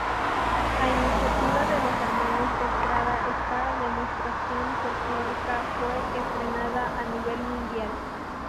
A iniciativa de los hermanos Estrada esta demostración folclórica fue estrenada a nivel mundial.